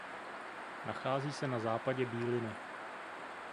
Nachází se na západě Bíliny.